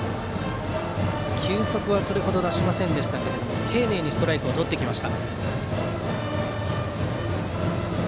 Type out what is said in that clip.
球速はそれほど出しませんが丁寧にストライクをとってきます。